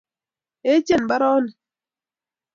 Echen mbaronik